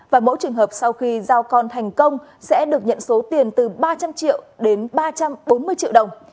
và mỗi trường hợp sau khi giao con thành công sẽ được nhận số tiền từ ba trăm linh triệu đến ba trăm bốn mươi triệu đồng